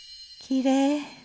「きれい」。